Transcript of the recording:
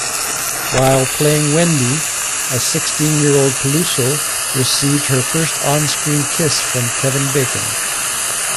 While playing "Wendy", a sixteen-year-old Peluso received her first on-screen kiss from Kevin Bacon.